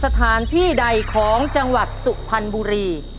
สถานที่ใดของจังหวัดสุพรรณบุรี